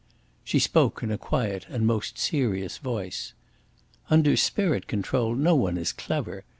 She spoke in a quiet and most serious voice. "Under spirit control no one is clever.